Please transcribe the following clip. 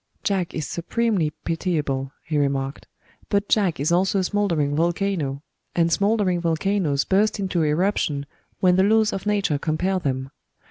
"Jack is supremely pitiable," he remarked; "but Jack is also a smoldering volcano and smoldering volcanos burst into eruption when the laws of nature compel them.